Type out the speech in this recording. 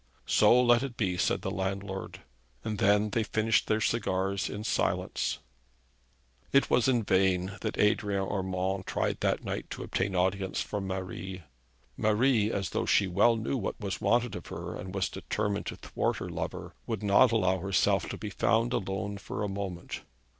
'So let it be,' said the landlord. And then they finished their cigars in silence. It was in vain that Adrian Urmand tried that night to obtain audience from Marie. Marie, as though she well knew what was wanted of her and was determined to thwart her lover, would not allow herself to be found alone for a moment.